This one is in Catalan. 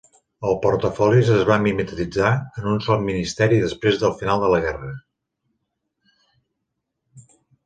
El portafolis es va mimetitzar en un sol ministeri després del final de la guerra.